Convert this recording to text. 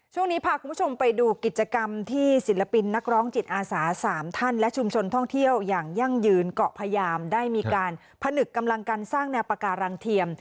ช่วงนี้พาคุณผู้ชมไปดูกิจกรรมที่ศิลปินนักร้องจิตอาสา๓ท่านและชุมชนท่องเที่ยวอย่างยั่งยืนเกาะพยามได้มีการผนึกกำลังการสร้างแนวปาการังเทียม